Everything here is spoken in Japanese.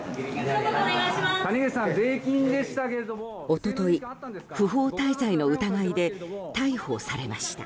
一昨日、不法滞在の疑いで逮捕されました。